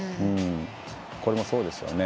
これもそうですよね。